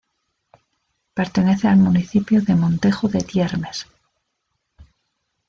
Pertenece al municipio de Montejo de Tiermes.